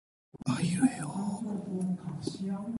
借問酒家何處有